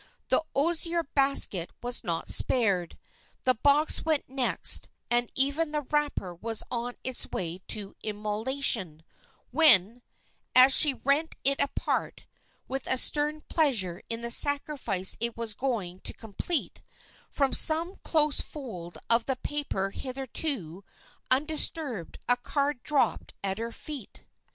The osier basket was not spared, the box went next, and even the wrapper was on its way to immolation, when, as she rent it apart, with a stern pleasure in the sacrifice it was going to complete, from some close fold of the paper hitherto undisturbed a card dropped at her feet.